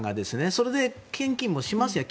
それで献金もしますよ。